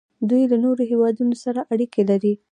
دوی له نورو هیوادونو سره اړیکې لري.